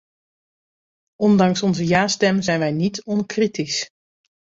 Ondanks onze ja-stem zijn wij niet onkritisch.